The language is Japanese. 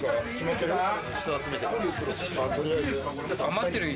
余ってる人。